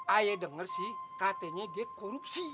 ayah denger sih katanya dia korupsi